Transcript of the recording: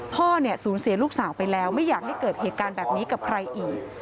พ่อเนี่ยสูญเสียลูกสาวไปแล้วไม่อยากให้เกิดเหตุการณ์แบบนี้กับใครอีก